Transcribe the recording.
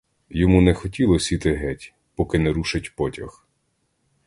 Йому не хотілось іти геть, поки не рушить потяг.